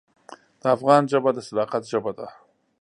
د افغان ژبه د صداقت ژبه ده.